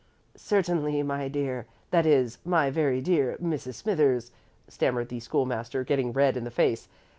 "Certainly, my dear that is, my very dear Mrs. Smithers," stammered the School master, getting red in the face.